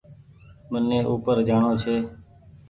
مني او پر جآڻو ڇي